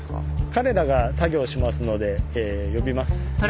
彼らが作業しますので呼びます。